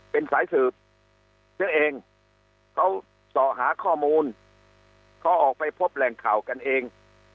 เป็นสายสืบซะเองเขาสอหาข้อมูลเขาออกไปพบแหล่งข่าวกันเอง